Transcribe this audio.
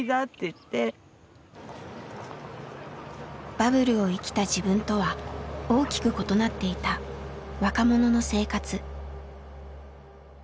バブルを生きた自分とは大きく異なっていた若者の生活。